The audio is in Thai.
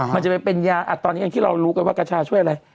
มันจะไปเป็นยาอัดตอนนี้อย่างที่เรารู้กันว่ากัญชาช่วยอะไร